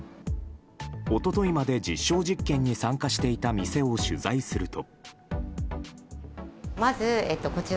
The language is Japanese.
一昨日まで実証実験に参加していた店を取材すると。